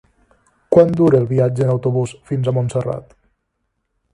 Quant dura el viatge en autobús fins a Montserrat?